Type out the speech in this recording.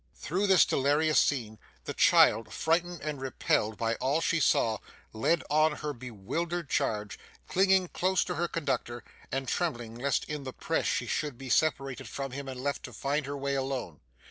Through this delirious scene, the child, frightened and repelled by all she saw, led on her bewildered charge, clinging close to her conductor, and trembling lest in the press she should be separated from him and left to find her way alone.